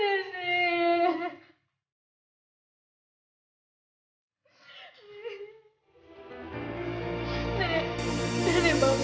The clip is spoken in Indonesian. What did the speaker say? nenek bangun nenek